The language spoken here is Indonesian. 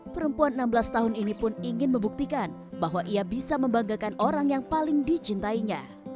perempuan enam belas tahun ini pun ingin membuktikan bahwa ia bisa membanggakan orang yang paling dicintainya